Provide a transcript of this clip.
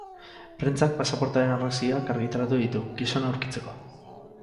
Prentsak pasaportearen argazkiak argitaratu ditu, gizona aurkitzeko.